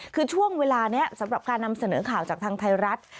คือช่วงเวลานี้สำหรับการนำเสนอข่าวจากทางไทยรัฐ